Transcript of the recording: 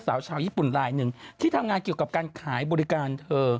สาวชาวญี่ปุ่นลายหนึ่งที่ทำงานเกี่ยวกับการขายบริการเธอ